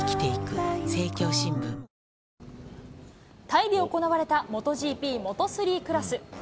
タイで行われたモトＧＰモト３クラス。